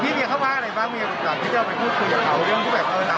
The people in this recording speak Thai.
พี่เมียเขาว่าอะไรบ้างเมียบุษฎาที่จะไปพูดคุยกับเขาเรื่องทุกแบบราวต่างแล้ว